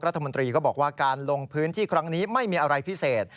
รัฐมนตรีก็บอกว่าการลงพื้นที่ครั้งนี้ไม่มีอะไรพิเศษ